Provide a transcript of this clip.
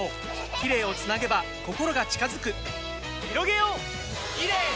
キレイをつなげば心が近づくひろげようキレイの輪！